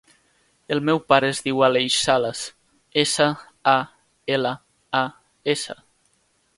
El meu pare es diu Aleix Salas: essa, a, ela, a, essa.